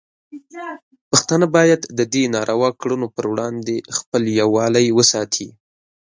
پښتانه باید د دې ناروا کړنو پر وړاندې خپل یووالی وساتي.